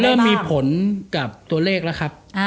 เริ่มมีผลกับตัวเลขแล้วครับ